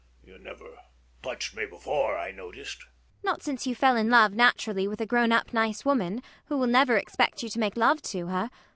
You never touched me before, I noticed. ELLIE. Not since you fell in love naturally with a grown up nice woman, who will never expect you to make love to her.